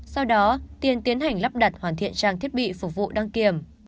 sau đó tiên tiến hành lắp đặt hoàn thiện trang thiết bị phục vụ đăng kiểm